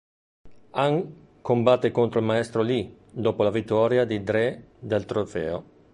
Han combatte contro il Maestro Li dopo la vittoria di Dre del trofeo.